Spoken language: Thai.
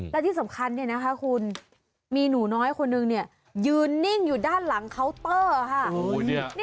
และที่สำคัญคุณมีหนูน้อยคนนึงยืนนิ่งอยู่ด้านหลังเคาน์เตอร์ค่ะ